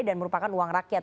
dan merupakan uang rakyat